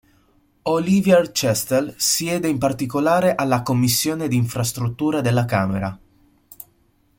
Olivier Chastel siede in particolare alla Commissione di Infrastruttura della Camera.